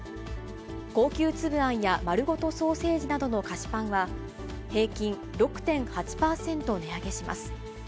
高級つぶあんやまるごとソーセージなどの菓子パンは、平均６．８％値上げします。